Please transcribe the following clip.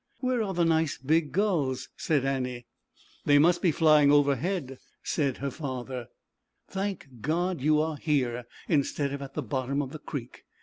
< Where are the nice big gulls?" said Annie. "They must be flying overhead," said 245 246 ZAUBERLINDA, THE WISE WITCH. her father. " Thank God, you are here instead of at the bottom of the creek."